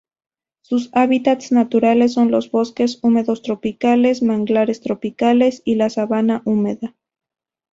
Sus hábitats naturales son los bosques húmedos tropicales, manglares tropicales y la sabana húmeda.